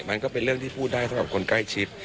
มันก็เป็นเรื่องที่พูดได้สำหรับคนใกล้ชิด